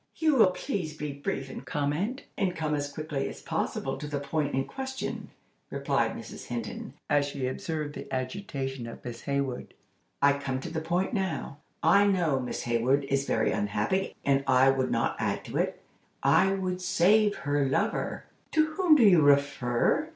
"You will please be brief in comment, and come as quickly as possible to the point in question," replied Mrs. Hinton, as she observed the agitation of Miss Hayward. "I come to the point now. I know Miss Hayward is very unhappy, and I would not add to it. I would save her lover." "To whom do you refer?"